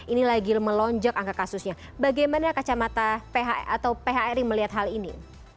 ini lagi melonjak angka kasusnya bagaimana kacamata phri melihat hal ini